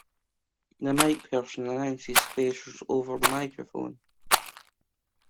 The mic person announces "specials" over the microphone.